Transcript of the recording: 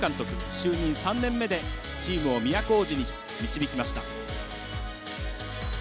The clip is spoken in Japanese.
就任３年目でチームを都大路に導きました。